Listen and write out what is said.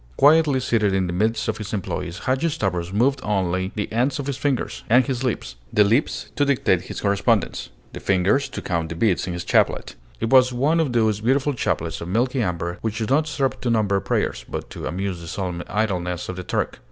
Quietly seated in the midst of his employees, Hadgi Stavros moved only the ends of his fingers and his lips; the lips to dictate his correspondence, the fingers to count the beads in his chaplet. It was one of those beautiful chaplets of milky amber which do not serve to number prayers, but to amuse the solemn idleness of the Turk.